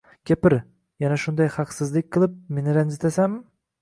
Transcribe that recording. Gapir, yana shunday haqsizlik qilib, meni ranjitasanmi?